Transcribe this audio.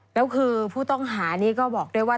แล้วคือผู้ต้องหานี้ก็บอกด้วยว่า